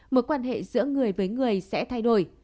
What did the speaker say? mối quan hệ giữa người với người sẽ thay đổi